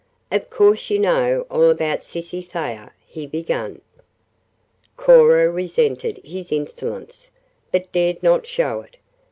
"Of course you know all about Cissy Thayer," he began. Cora resented his insolence, but dared not show it.